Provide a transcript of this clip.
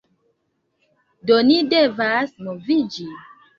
Do ni devas moviĝi.